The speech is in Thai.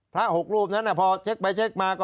พระ๖ลูกนั้นพอเช็กไปเช็กมา